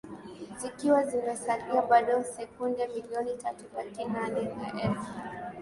zikiwa zimesalia bado senduke milioni tatu laki nane na elfu